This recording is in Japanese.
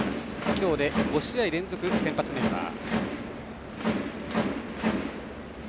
今日で５試合連続先発メンバー。